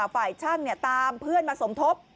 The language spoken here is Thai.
ฝ่ายช่างตามเพื่อนมาสมทบ